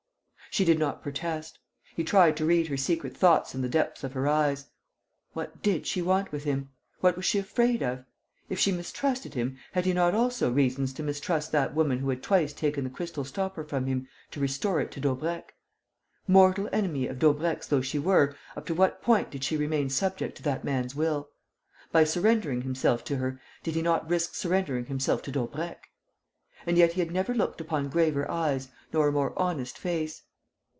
She did not protest. He tried to read her secret thoughts in the depths of her eyes. What did she want with him? What was she afraid of? If she mistrusted him, had he not also reasons to mistrust that woman who had twice taken the crystal stopper from him to restore it to Daubrecq? Mortal enemy of Daubrecq's though she were, up to what point did she remain subject to that man's will? By surrendering himself to her, did he not risk surrendering himself to Daubrecq? And yet he had never looked upon graver eyes nor a more honest face.